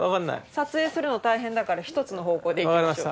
撮影するの大変だから１つの方向で行きましょう。